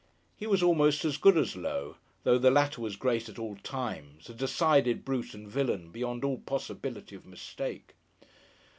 He was almost as good as Low, though the latter was great at all times—a decided brute and villain, beyond all possibility of mistake.